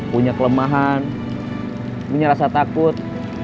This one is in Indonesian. punya kelemahan punya rasa takut